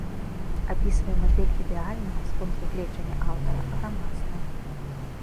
Апісвае мадэль ідэальнага, з пункту гледжання аўтара, грамадства.